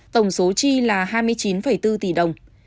tổng số chi là hai mươi chín bốn tỷ đồng